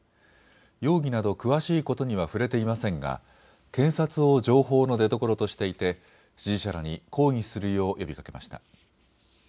容疑など詳しいことには触れていませんが検察を情報の出どころとしていて支持者らに抗議するよう呼びかけました。